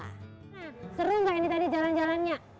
nah seru gak ini tadi jalan jalannya